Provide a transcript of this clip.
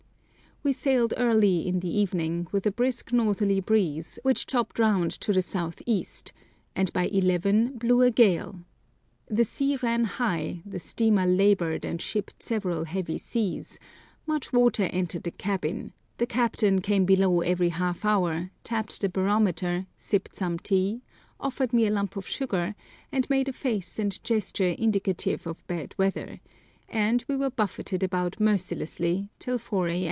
We sailed early in the evening, with a brisk northerly breeze, which chopped round to the south east, and by eleven blew a gale; the sea ran high, the steamer laboured and shipped several heavy seas, much water entered the cabin, the captain came below every half hour, tapped the barometer, sipped some tea, offered me a lump of sugar, and made a face and gesture indicative of bad weather, and we were buffeted about mercilessly till 4 a.